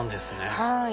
はい。